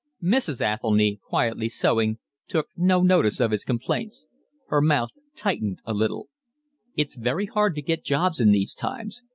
Mrs. Athelny, quietly sewing, took no notice of his complaints. Her mouth tightened a little. "It's very hard to get jobs in these times.